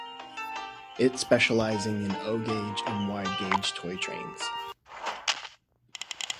It specializing in O gauge and Wide gauge toy trains.